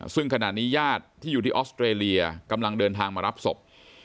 ซึ่งขณะนี้ญาติที่อยู่ที่ออสเตรเลียกำลังเดินทางมารับศพ